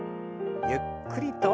ゆっくりと。